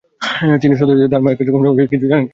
তিনি সত্যই তার মায়ের কার্যক্রম সম্পর্কে কিছু জানেন কিনা।